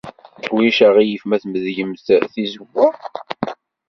Ulac aɣilif ma tmedlemt tizewwa?